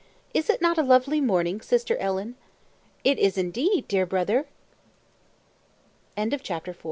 Is it not a lovely morning, sister Ellen?" "It is indeed, dear brother." [Illustr